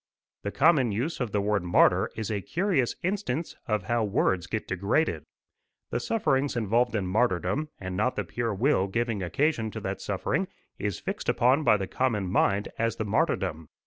The common use of the word martyr is a curious instance of how words get degraded. The sufferings involved in martyrdom, and not the pure will giving occasion to that suffering, is fixed upon by the common mind as the martyrdom.